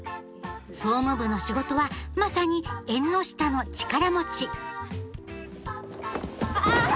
総務部の仕事はまさに縁の下の力持ちあ！